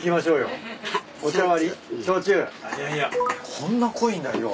こんな濃いんだ色。